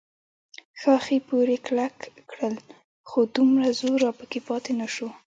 ښاخې پورې کلک کړل، خو دومره زور راپکې پاتې نه و.